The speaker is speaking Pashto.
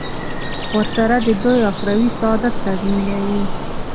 ورسره د دوی اخروي سعادت تضمینوي.